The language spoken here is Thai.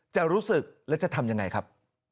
จะรู้สึกและจะทำยังไงครับ